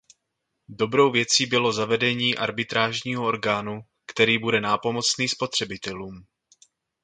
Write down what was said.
Dobrou věcí bylo zavedení arbitrážního orgánu, který bude nápomocný spotřebitelům.